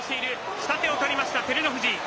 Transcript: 下手を取りました、照ノ富士。